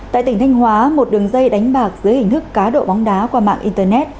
tại tỉnh thanh hóa một đường dây đánh bạc dưới hình thức cá độ bóng đá qua mạng internet